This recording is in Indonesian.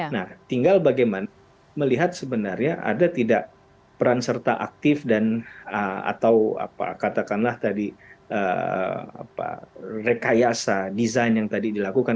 nah tinggal bagaimana melihat sebenarnya ada tidak peran serta aktif dan atau katakanlah tadi rekayasa desain yang tadi dilakukan